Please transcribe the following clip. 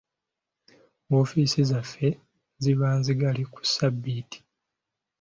Woofiisi zaffe ziba nzigale ku ssabbiiti.